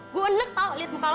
gue enek tau liat muka lo